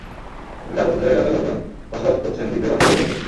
তবে চার বছর ধরে এলাকার লোকজন বসবাস করছেন দ্বীপের বাসিন্দাদের মতোই।